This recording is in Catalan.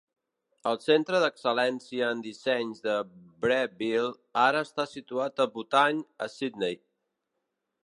El Centre d'Excel·lència en Disseny de Breville ara està situat a Botany a Sydney.